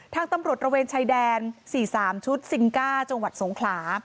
ทางตำรวจระเวนชายแดน๔๓ชุดซิงก้าจังหวัดสงขลา